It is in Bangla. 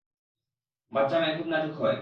বাচ্চা মেয়েরা খুব নাজুক হয়।